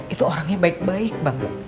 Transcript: itu orangnya baik baik banget